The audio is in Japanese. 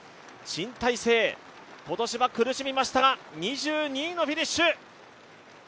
新体制、今年は苦しみましたが２２位のフィニッシュ。